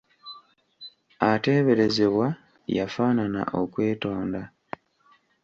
Ateeberezebwa yafaanana okwetonda.